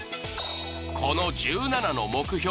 この１７の目標